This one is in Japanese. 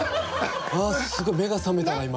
あすごい目が覚めたな今。